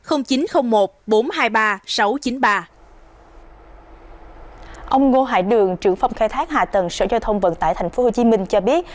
ông ngô hải đường trưởng phòng khai thác hạ tầng sở giao thông vận tải tp hcm cho biết